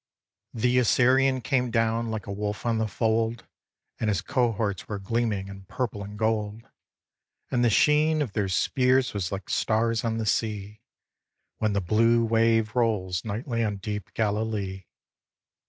] The Assyrian came down like a wolf on the fold, And his cohorts were gleaming in purple and gold ; And the sheen of their spears was like stars on the sea, When the blue wave rolls nightly on deep Galilee.